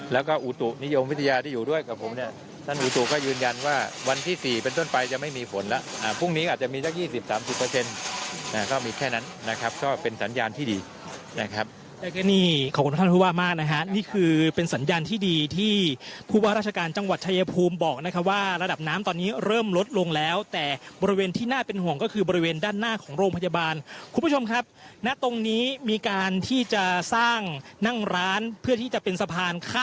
แล้วก็อูตุนิยมวิทยาที่อยู่ด้วยกับผมเนี่ยท่านอูตุก็ยืนยันว่าวันที่สี่เป็นต้นไปจะไม่มีฝนแล้วอ่าพรุ่งนี้อาจจะมีจากยี่สิบสามสิบเปอร์เซ็นต์อ่าก็มีแค่นั้นนะครับเพราะว่าเป็นสัญญาณที่ดีนะครับแล้วก็นี่ขอบคุณท่านผู้ว่ามากนะฮะนี่คือเป็นสัญญาณที่ดีที่ผู้ว่าราชการจั